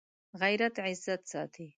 غیرت عزت ساتي